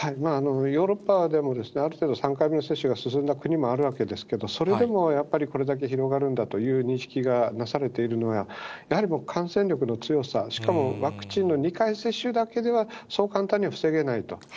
ヨーロッパでも、ある程度、３回目の接種が進んだ国もあるわけですけれども、それでもやっぱりこれだけ広がるんだという認識がなされているのは、やはりもう、感染力の強さ、しかもワクチンの２回接種だけでは、そう簡単には防げないと。